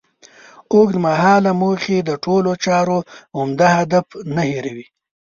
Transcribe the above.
اوږد مهاله موخې د ټولو چارو عمده هدف نه هېروي.